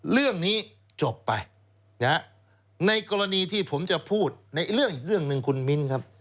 เรื่องนี้จบไปในกรณีที่ผมจะพูดในเรื่องอีกเรื่องหนึ่งคุณมิ้นครับ